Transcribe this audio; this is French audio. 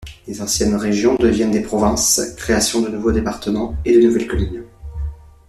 Les anciennes régions deviennent des provinces, création de nouveaux départements et de nouvelles communes.